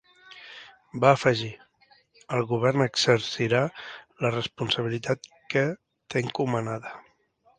Va afegir: El govern exercirà la responsabilitat que té encomanada.